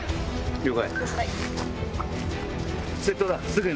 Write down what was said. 了解！